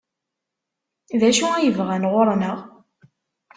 D acu ay bɣan ɣur-neɣ?